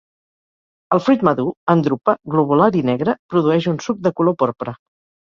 El fruit madur, en drupa, globular i negre, produeix un suc de color porpra.